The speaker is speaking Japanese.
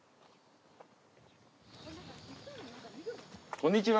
こんにちは。